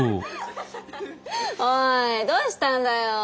おいどうしたんだよ？